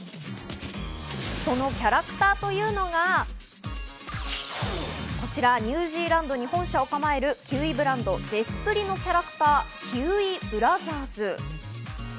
そのキャラクターというのがニュージーランドに本社を構えるキウイブランド・ゼスプリのキャラクター、キウイブラザーズ。